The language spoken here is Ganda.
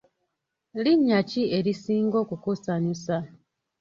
Linnya ki erisinga okukusanyusa?